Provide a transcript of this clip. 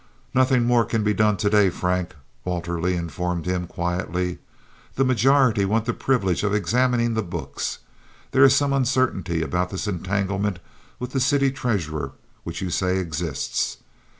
"Nothing more can be done to day, Frank," Walter Leigh informed him, quietly. "The majority want the privilege of examining the books. There is some uncertainty about this entanglement with the city treasurer which you say exists.